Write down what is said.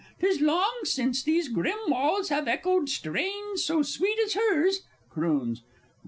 'Tis long since these grim walls have echoed strains so sweet as hers. (_Croons.